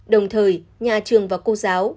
đồng thời nhà trường và cô giáo